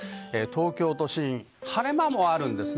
東京都心、晴れ間もあるんです。